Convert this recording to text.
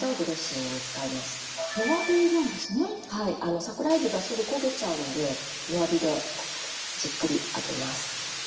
桜えびがすぐ焦げちゃうので弱火でじっくり揚げます。